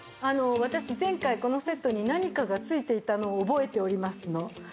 私前回このセットに何かが付いていたのを覚えておりますの。